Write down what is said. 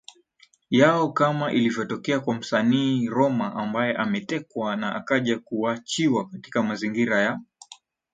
yao kama ilivyotokea kwa msanii Roma ambaye ametekwa na akaja kuachiwa katika mazingira ya